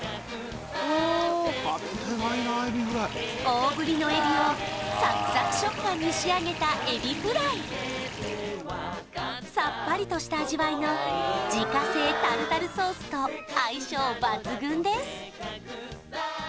大ぶりのエビをサクサク食感に仕上げたエビフライさっぱりとした味わいが自家製タルタルソースと相性抜群です